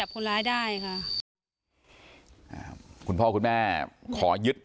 คุณพ่อคุณแม่ขอยืด